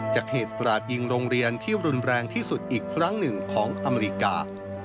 จากเหตุกราดยิงโรงเรียนที่รุนแรงที่สุดอีกครั้งหนึ่งของอเมริกา